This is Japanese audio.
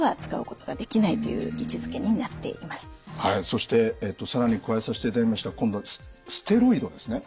そして更に加えさせていただきました今度はステロイドですね。